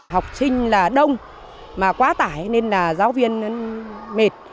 học sinh là đông mà quá tải nên là giáo viên mệt